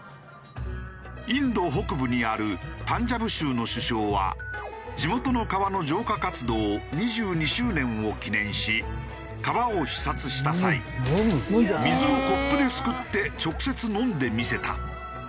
インド北部にあるパンジャブ州の首相は地元の川の浄化活動２２周年を記念し川を視察した際水をコップですくって直接飲んで見せた。